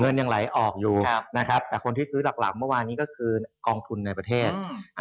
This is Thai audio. ยังไหลออกอยู่นะครับแต่คนที่ซื้อหลักเมื่อวานนี้ก็คือกองทุนในประเทศ